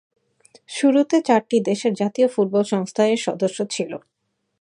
শুরুতে চারটি দেশের জাতীয় ফুটবল সংস্থা এর সদস্য ছিল।